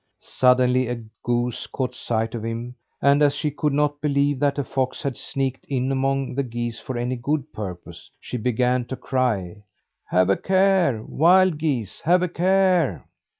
Suddenly a goose caught sight of him; and as she could not believe that a fox had sneaked in among the geese for any good purpose, she began to cry: "Have a care, wild geese! Have a care!"